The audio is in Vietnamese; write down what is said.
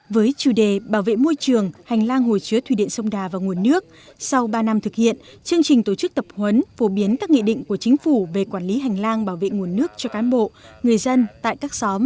với chủ đề bảo vệ môi trường hành lang hồ chứa thủy điện sông đà và nguồn nước sau ba năm thực hiện chương trình tổ chức tập huấn phổ biến các nghị định của chính phủ về quản lý hành lang bảo vệ nguồn nước cho cán bộ người dân tại các xóm